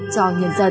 cho nhân dân